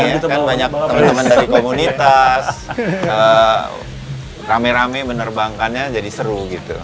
kan banyak temen temen dari komunitas rame rame menerbangkannya jadi seru gitu